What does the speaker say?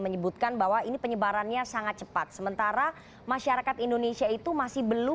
menyebutkan bahwa ini penyebarannya sangat cepat sementara masyarakat indonesia itu masih belum